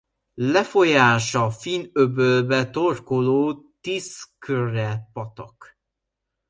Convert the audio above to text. Lefolyása a Finn-öbölbe torkolló Tiskre-patak.